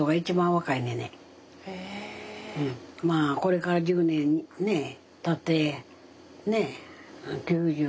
これから１０年ねたって９０。